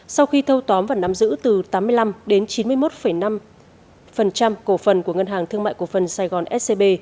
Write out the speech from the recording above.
sau khi thâu tóm và nắm giữ từ tám mươi năm đến chín mươi một năm cổ phần của ngân hàng thương mại cổ phần sài gòn scb